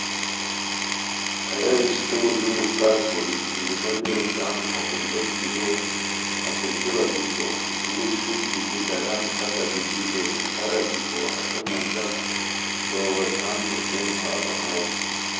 ہیہ رشتو لُوؤ کارکوری زیربالیو تان ہتے لوٹ ژورو ہتے دُورا بیکو ، ژُور شُوت بیتی، داران کھاکہ دیتی تو دوچھارا گیکو، ہتے منظر توغو غیچھان پروشٹین پھار بغائے